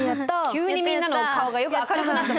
急にみんなの顔が明るくなった。